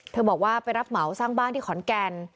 บอกว่าไปรับเหมาสร้างบ้านที่ขอนแก่น